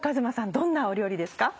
どんなお料理ですか？